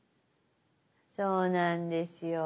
そうなんですよ。